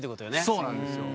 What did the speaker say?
そうなんですよ。